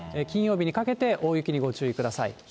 金曜日にかけて大雪にご注意ください。